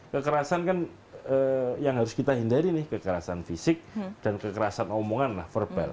kekerasan kan yang harus kita hindari nih kekerasan fisik dan kekerasan omongan lah verbal